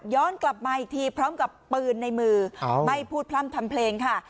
กลับมาอีกทีพร้อมกับปืนในมือไม่พูดพร่ำทำเพลงค่ะ